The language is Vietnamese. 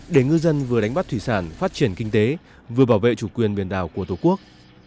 để ngư dân vừa đánh bắt thủy sản phát triển kinh tế vừa bảo vệ chủ quyền biển đảo của tổ quốc